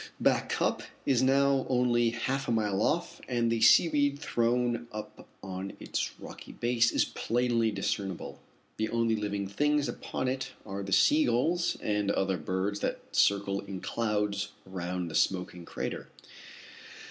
Back Cup is now only half a mile off, and the seaweed thrown up on its rocky base is plainly discernible. The only living things upon it are the sea gulls and other birds that circle in clouds around the smoking crater.